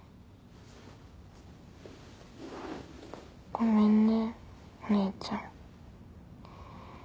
ごめんねお姉ちゃん。